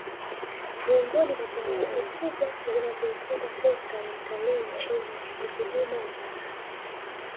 Miongoni mwa changamoto kubwa inayoikumba sekta ya utalii nchini ni huduma ya malazi